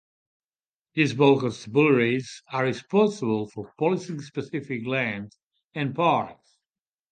These small constabularies are responsible for policing specific land and parks.